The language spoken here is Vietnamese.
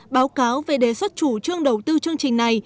báo cáo về đề xuất chủ trương đầu tư chương trình này